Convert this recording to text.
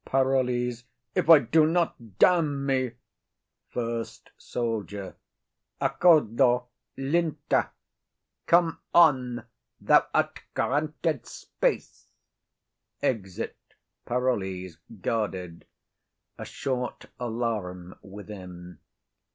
PAROLLES. If I do not, damn me. FIRST SOLDIER. Acordo linta. Come on; thou art granted space. [Exit, with Parolles guarded.] A short alarum within.